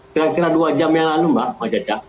kira kira dua jam yang lalu mbak caca